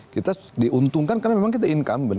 kita diuntungkan karena memang kita incumbent